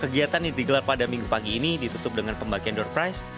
kegiatan yang digelar pada minggu pagi ini ditutup dengan pembagian door price